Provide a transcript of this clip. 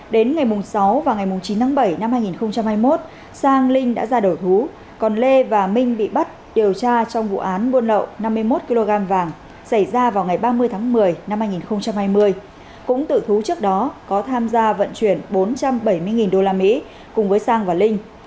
đến ngày sáu và ngày chín tháng bảy năm hai nghìn hai mươi một sang linh đã ra đổ thú còn lê và minh bị bắt điều tra trong vụ án buôn lậu năm mươi một kg vàng xảy ra vào ngày ba mươi tháng một mươi năm hai nghìn hai mươi cũng tự thú trước đó có tham gia vận chuyển bốn trăm bảy mươi usd cùng với sang và linh